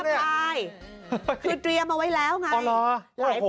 เรื้อไปคือเตรียมเอาไว้แล้วไง